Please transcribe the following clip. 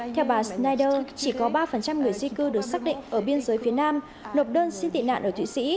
theo bà snyders chỉ có ba người di cư được xác định ở biên giới phía nam nộp đơn xin tị nạn ở thủy sĩ